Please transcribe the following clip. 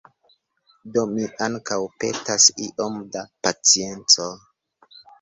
Do mi ankaŭ petas iom da pacienco.